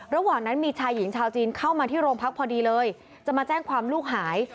ระหว่างนั้นมีชายหญิงชาวจีนเข้ามาที่โรงพักพอดีเลยจะมาแจ้งความลูกหาย